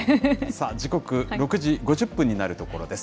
時刻６時５０分になるところです。